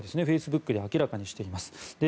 フェイスブックで明らかにしています。